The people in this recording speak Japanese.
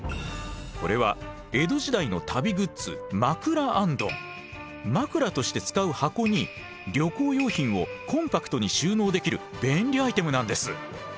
これは江戸時代の旅グッズ枕として使う箱に旅行用品をコンパクトに収納できる便利アイテムなんです。